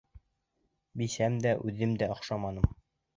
Бисәм дә, үҙем дә оҡшаманым.